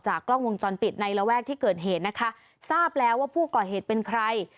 กล้องวงจรปิดในระแวกที่เกิดเหตุนะคะทราบแล้วว่าผู้ก่อเหตุเป็นใคร